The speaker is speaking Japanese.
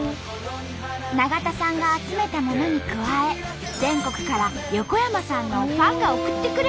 永田さんが集めたものに加え全国から横山さんのファンが送ってくれるんと！